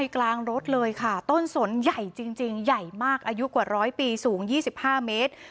กลางรถเลยค่ะต้นสนใหญ่จริงใหญ่มากอายุกว่า๑๐๐ปีสูง๒๕เมตร